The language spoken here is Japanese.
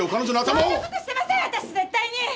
そんな事してません私絶対に！